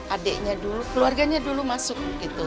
adiknya dulu keluarganya dulu masuk